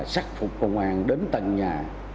xác phục công an đến tầng nhà